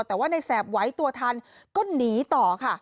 แต่ว่าในแสบไหวตัวทันก็หนีต่อค่ะ